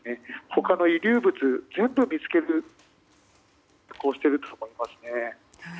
他の遺留物、全部見つけようとしていると思いますね。